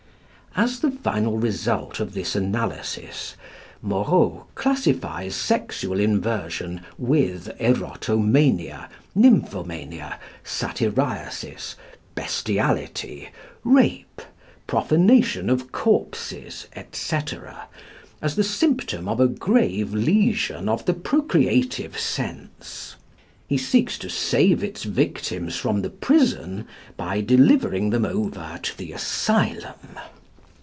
As the final result of this analysis, Moreau classifies sexual inversion with erotomania, nymphomania, satyriasis, bestiality, rape, profanation of corpses, &c., as the symptom of a grave lesion of the procreative sense. He seeks to save its victims from the prison by delivering them over to the asylum.